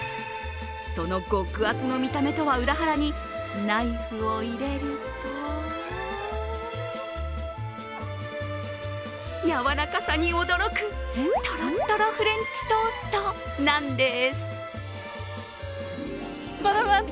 その極厚の見た目とは裏腹にナイフを入れるとやわらかさに驚く、とろっとろフレンチトーストなんです。